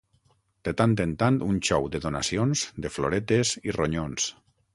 De tant en tant un xou de donacions, de floretes i ronyons.